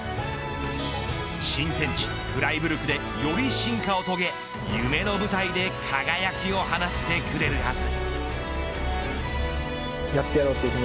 新天地フライブルクでより進化を遂げ夢の舞台で輝きを放ってくれるはず。